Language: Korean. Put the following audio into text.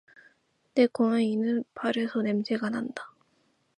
내 고양이는 발에서 냄새가 난다.